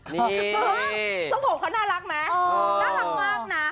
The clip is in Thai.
เจ้าของผมเขาน่ารักไหมน่ารักมากนะ